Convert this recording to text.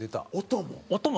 音も？